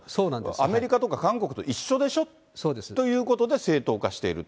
アメリカとか韓国と一緒でしょということで、正当化していると。